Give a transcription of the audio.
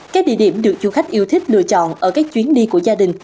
các địa điểm được du khách yêu thích lựa chọn ở các chuyến đi của gia đình